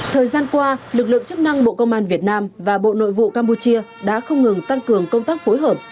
thời gian qua lực lượng chức năng bộ công an việt nam và bộ nội vụ campuchia đã không ngừng tăng cường công tác phối hợp